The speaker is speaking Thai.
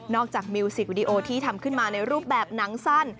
จากมิวสิกวิดีโอที่ทำขึ้นมาในรูปแบบหนังสั้น